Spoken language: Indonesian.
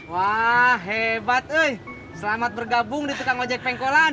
wah hebat selamat bergabung di tukang ngojek pengkolan